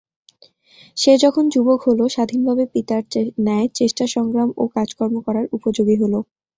সে যখন যুবক হল, স্বাধীনভাবে পিতার ন্যায় চেষ্টা-সংগ্রাম ও কাজকর্ম করার উপযোগী হল।